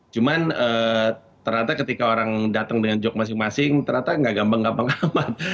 cuman ternyata ketika orang datang dengan joke masing masing ternyata nggak gampang gampang amat